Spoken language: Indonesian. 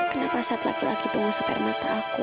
kenapa saat laki laki itu ngusap air mata aku